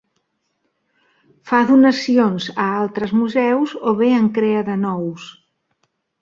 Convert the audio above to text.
Fa donacions a altres museus o bé en crea de nous.